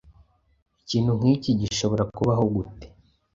Ikintu nk'iki gishobora kubaho gute?